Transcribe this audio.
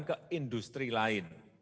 oleh industri lain